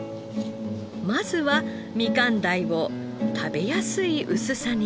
まずはみかん鯛を食べやすい薄さにカット。